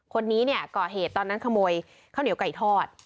คนนี้เนี่ยก่อเหตุตอนนั้นขโมยข้าวเหนียวไก่ทอด